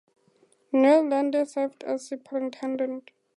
Noel Lunde served as superintendent.